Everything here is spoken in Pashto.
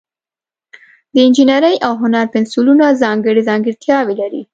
د انجینرۍ او هنر پنسلونه ځانګړي ځانګړتیاوې لري.